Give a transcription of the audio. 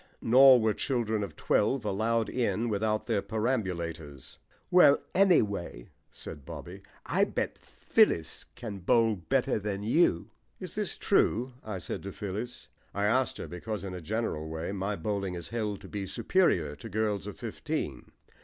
Nor were children of twelve allowed in without their perambulators." "Well, anyhow," said Bobby, "I bet Phyllis can bowl better than you." "Is this true?" I said to Phyllis. I asked her, because in a general way my bowling is held to be superior to that of girls of fifteen.